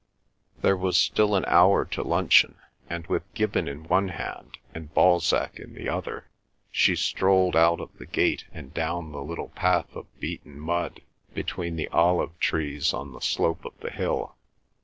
There was still an hour to luncheon, and with Gibbon in one hand, and Balzac in the other she strolled out of the gate and down the little path of beaten mud between the olive trees on the slope of the hill.